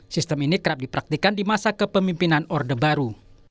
sistem ini kerap dipraktikan di masa kepemimpinan orde baru